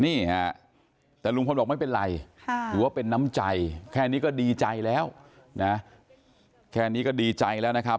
นี่ฮะแต่ลุงพลบอกไม่เป็นไรถือว่าเป็นน้ำใจแค่นี้ก็ดีใจแล้วนะแค่นี้ก็ดีใจแล้วนะครับ